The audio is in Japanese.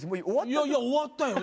いやいや終わったよ。